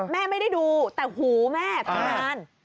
แม่ไม่ได้ดูแต่หูแม่ขนาด